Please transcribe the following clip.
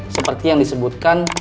seperti yang disebutkan oleh korban